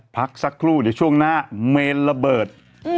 พักสักครู่เดี๋ยวช่วงหน้าเมนระเบิด